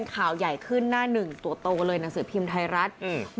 ข่าวใหญ่ขึ้นหน้าหนึ่งตัวโตเลยหนังสือพิมพ์ไทยรัฐอืม